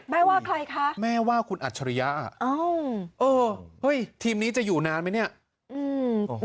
ว่าใครคะแม่ว่าคุณอัจฉริยะเอ้าเออเฮ้ยทีมนี้จะอยู่นานไหมเนี่ยอืม